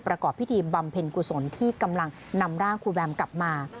ประกอบพิธีบำเพ็ญกุศลที่กำลังนำร่างครูแบมกลับมา